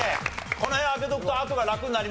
この辺開けておくとあとが楽になりますからね。